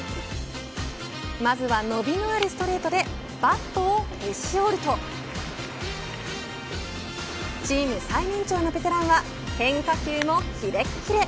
まずは伸びのあるストレートでバットをへし折るとチーム最年長のベテランは変化球もきれっきれ。